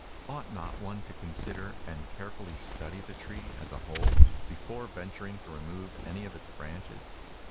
Ought not one to consider, and carefully study the tree, as a whole, before venturing to remove any of its branches?